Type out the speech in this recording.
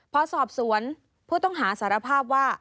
พอสอบสวนผู้ต้องหาสารภาพว่า